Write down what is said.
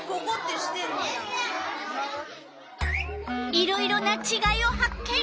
いろいろなちがいを発見！